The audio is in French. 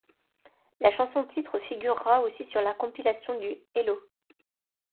La chanson-titre figurera aussi sur la compilation du Hello!